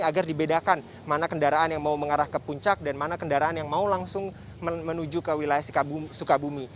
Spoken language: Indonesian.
agar dibedakan mana kendaraan yang mau mengarah ke puncak dan mana kendaraan yang mau langsung menuju ke wilayah sukabumi